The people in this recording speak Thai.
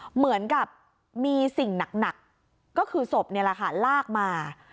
เหมือนกับมีสิ่งหนักก็คือศพลากมา